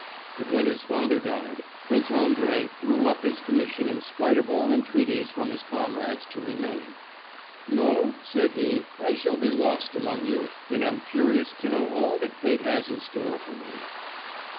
But when his father died, Prince Andrey threw up his commission in spite of all entreaties from his comrades to remain. "No," said he, "I shall be lost among you, and I'm curious to know all that fate has in store for me."